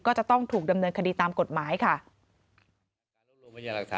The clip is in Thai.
ก็จะต้องถูกดำเนินคดีตามกฎหมายค่ะ